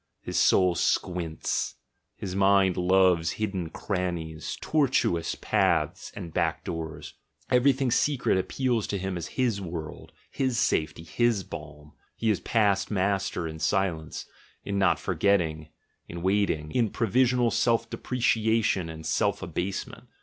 His soul squints; his mind loves hidden crannies, tortuous paths and back doors, everything secret appeals to him as his world, his safety, his balm; he is past master in silence, in not for getting, in waiting, in provisional self depreciation and self abasement.